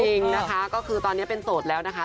จริงนะคะก็คือตอนนี้เป็นโสดแล้วนะคะ